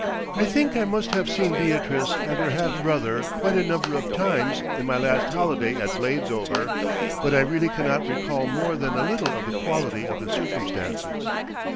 I think I must have seen Beatrice and her half brother quite a number of times in my last holiday at Bladesover, but I really cannot recall more than a little of the quality of the circumstances.